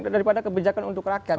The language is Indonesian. daripada kebijakan untuk rakyat